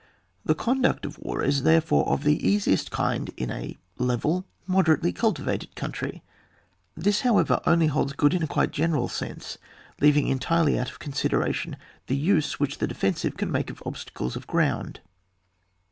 The conduct of war is therefore of the easiest kind in a level moderately cul tivated country. This however only holds good in quite a general sense, leav ing entirely out of consideration the use which the defensive can make of obstacles of ground.